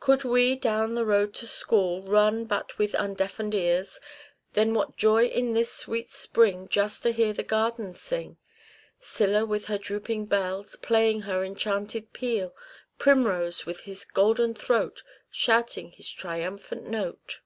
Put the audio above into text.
Could we, down the road to school, Run but with undeafened ears, Then what joy in this sweet spring Just to hear the gardens sing, Scilla with her drooping bells Playing her enchanted peal, Primrose with his golden throat Shouting his triumphant note.